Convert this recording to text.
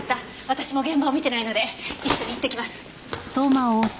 私も現場を見てないので一緒に行ってきます。